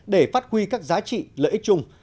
để phát huy các giá trị lợi ích chung